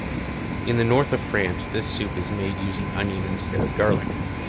In the north of France, this soup is made using onion instead of garlic.